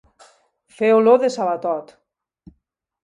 Fer olor de sabatot.